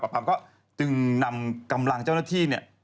ปรับปรับก็ตึงนำกำลังเจ้าหน้าที่เนี่ย